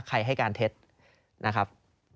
ให้การเท็จนะครับ